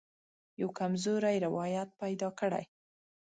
یوه کمزوری روایت پیدا کړي.